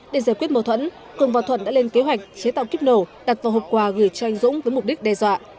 để giải quyết mâu thuẫn cường võ thuận đã lên kế hoạch chế tạo kíp nổ đặt vào hộp quà gửi cho anh dũng với mục đích đe dọa